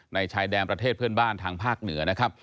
ชายแดนประเทศเพื่อนบ้านทางภาคเหนือนะครับ